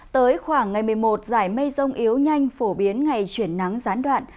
tới khoảng ngày một mươi một giải mây rông yếu nhanh phổ biến ngày chuyển nắng gián đoạn